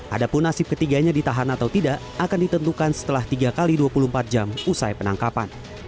adapun nasib ketiganya ditahan atau tidak akan ditentukan setelah tiga x dua puluh empat jam usai penangkapan